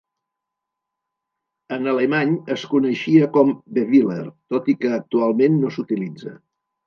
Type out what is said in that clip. En alemany es coneixia com "Bewiler", tot i que actualment no s'utilitza.